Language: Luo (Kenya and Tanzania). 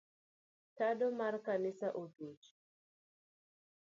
Tado mar kanisa otuch.